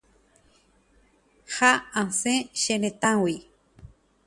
Ha asẽ che retãgui.